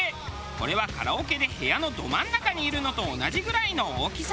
これはカラオケで部屋のド真ん中にいるのと同じぐらいの大きさ。